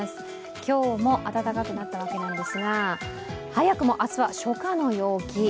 今日も暖かくなったわけなんですが早くも明日は初夏の陽気。